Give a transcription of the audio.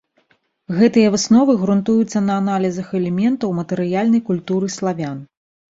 Гэтыя высновы грунтуюцца на аналізах элементаў матэрыяльнай культуры славян.